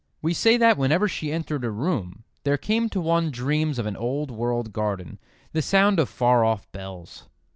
We say that whenever she entered a room there came to one dreams of an old world garden, the sound of far off bells.